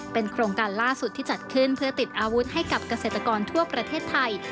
เป็นโครงการล่าสุดที่จัดขึ้นเพื่อติดอาวุธให้กับเกษตรกรทั่วประเทศไทย